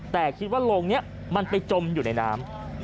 แต่คิดว่าโรงนี้มันไปจมอยู่ในน้ำ